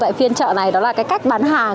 tại phiên chợ này đó là cái cách bán hàng